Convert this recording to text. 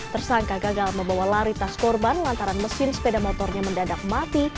tersangka gagal membawa lari tas korban lantaran mesin sepeda motornya mendadak mati